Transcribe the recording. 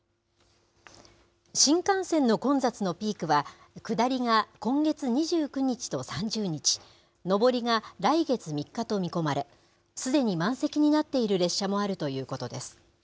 新幹線の混雑のピークは、下りが今月２９日と３０日、上りが来月３日と見込まれ、すでに満席になっている列車もあるということです。